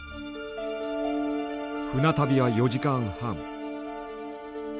船旅は４時間半。